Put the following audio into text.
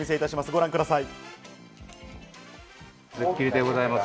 ご覧ください。